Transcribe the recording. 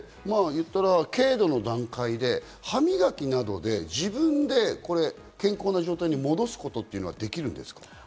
軽度の段階で、歯磨きなどで自分で健康な状態に戻すことというのはできるんですか？